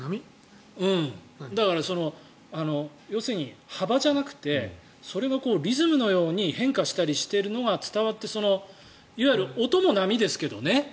だから、要するに幅じゃなくてそれがリズムのように変化したりしてるのが伝わっていわゆる音も波ですけどね。